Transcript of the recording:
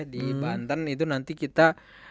di banten itu nanti kita